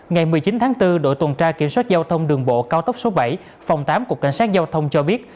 ngày một mươi chín tháng bốn đội tuần tra kiểm soát giao thông đường bộ cao tốc số bảy phòng tám cục cảnh sát giao thông cho biết